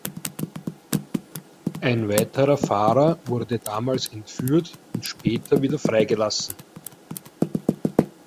Ein weiterer Fahrer wurde damals entführt und später wieder freigelassen.